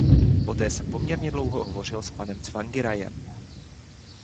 Poté jsem poměrně dlouho hovořil s panem Tsvangiraiem.